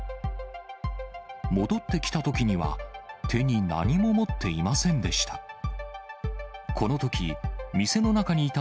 戻ってきたときには、手に何も持っていませんでした。